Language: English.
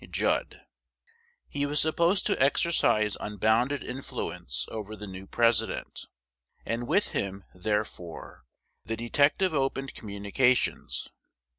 Judd: he was supposed to exercise unbounded influence over the new President; and with him, therefore, the detective opened communications.